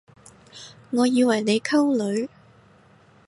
我以為你溝女